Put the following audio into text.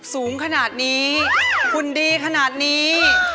สูงขนาดนี้หุ่นดีขนาดนี้